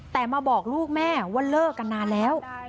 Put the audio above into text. แต่มาบอกลูกแม่ว่าเลิกกันนานแล้ว